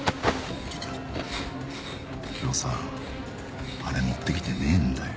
今日さあれ持ってきてねえんだよ。